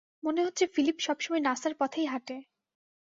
মনে হচ্ছে ফিলিপ সবসময় নাসার পথেই হাঁটে।